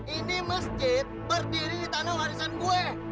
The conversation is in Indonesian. ini masjid berdiri di tanah warisan gue